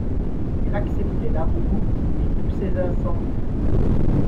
Elle acceptait l'amour et tous ses incendies